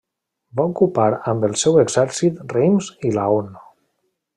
Va ocupar amb el seu exèrcit Reims i Laon.